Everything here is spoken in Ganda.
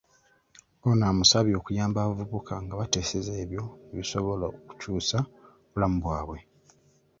Ono amusabye okuyamba abavubuka ng'abateesezza ebyo ebisobola okukyusa obulamu bwabwe.